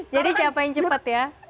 jadi siapa yang cepet ya